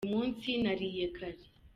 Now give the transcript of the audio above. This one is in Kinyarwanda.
Uyu munsi nariye kare.